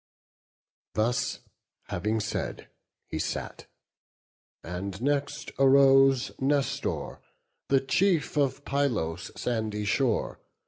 Thus having said, he sat; and next arose Nestor, the chief of Pylos' sandy shore.